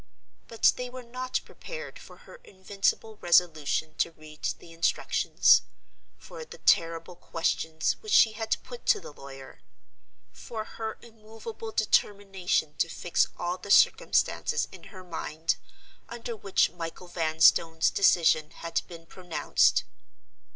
But they were not prepared for her invincible resolution to read the Instructions; for the terrible questions which she had put to the lawyer; for her immovable determination to fix all the circumstances in her mind, under which Michael Vanstone's decision had been pronounced.